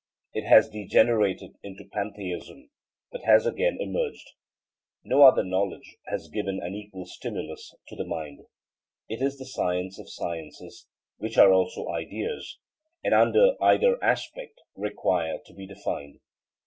It has degenerated into pantheism, but has again emerged. No other knowledge has given an equal stimulus to the mind. It is the science of sciences, which are also ideas, and under either aspect require to be defined.